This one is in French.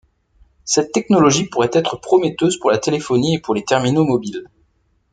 Cette technologie pourrait être prometteuse pour la téléphonie et pour les terminaux mobiles.